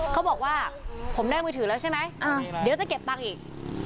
เขาบอกว่าผมได้มือถือแล้วใช่ไหมเดี๋ยวจะเก็บตังค์อีก